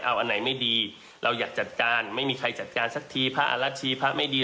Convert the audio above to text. เอาอันไหนไม่ดีเราอยากจัดการไม่มีใครจัดการสักทีพระอรัชชีพะไม่ดี